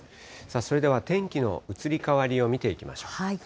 それでは天気の移り変わりを見ていきましょう。